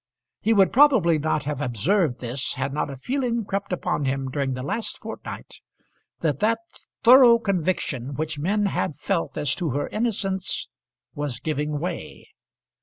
He would probably not have observed this had not a feeling crept upon him during the last fortnight, that that thorough conviction which men had felt as to her innocence was giving way.